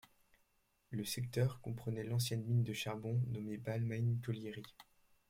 Le secteur comprenait l'ancienne mine de charbon nommé Balmain Colliery.